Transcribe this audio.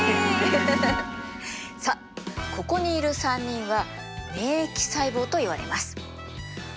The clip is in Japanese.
さあここにいる３人は「免疫細胞」といわれます。